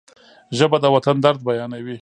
ژبه د وطن د درد بیانوي